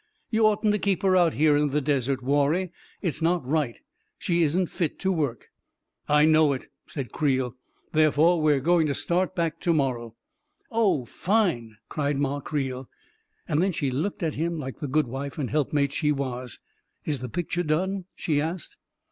You oughtn't to keep her out here in the desert, Warrie. It's not right. She isn't fit to work !"" I know it," said Creel. " Therefore we are going to start back to morrow. 99 " Oh, fine ! 99 cried Ma Creel. And then she looked at him, like the good wife and helpmate she was. " Is the picture done ?" she asked.